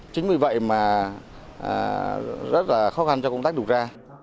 chính vì vậy mà rất là khó khăn cho công tác điều tra